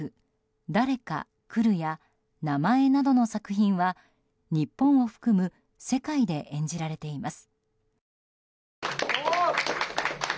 「だれか、来る」や「名前」などの作品は日本を含む世界で演じられています。